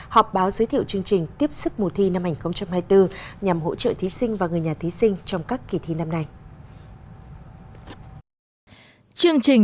họp báo giới thiệu chương trình tiếp sức mùa thi năm hai nghìn hai mươi bốn nhằm hỗ trợ thí sinh và người nhà thí sinh trong các kỳ thi năm nay